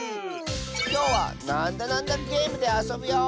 きょうは「なんだなんだゲーム」であそぶよ！